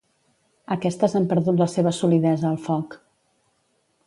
Aquestes han perdut la seva solidesa al foc.